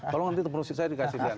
kalau nanti proses saya dikasih